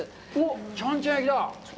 ちゃんちゃん焼きだ。